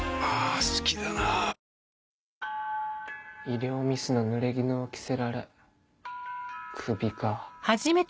医療ミスのぬれぎぬを着せられクビか。